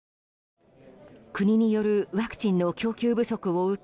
国によるワクチンの供給不足を受け